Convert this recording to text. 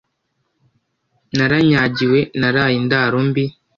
naranyagiwe naraye indaro mbi